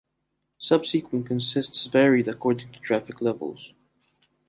Subsequent consists varied according to traffic levels.